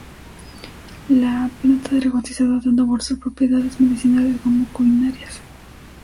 La planta era cotizada tanto por sus propiedades medicinales como culinarias.